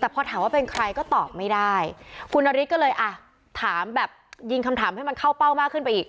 แต่พอถามว่าเป็นใครก็ตอบไม่ได้คุณนฤทธิก็เลยอ่ะถามแบบยิงคำถามให้มันเข้าเป้ามากขึ้นไปอีก